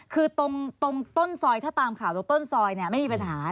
คือตรงต้นซอยถ้าตามข่าวตรงต้นซอยไม่มีปัญหา